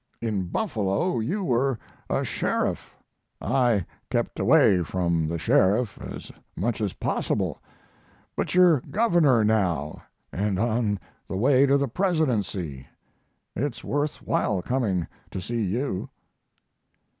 In Buffalo you were a sheriff. I kept away from the sheriff as much as possible, but you're Governor now, and on the way to the Presidency. It's worth while coming to see you."